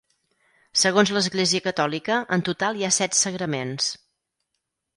Segons l'Església catòlica, en total hi ha set sagraments.